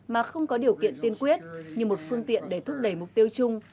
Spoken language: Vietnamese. mà không có điều kiện tiên quyết như một phương tiện để thúc đẩy mục tiêu chung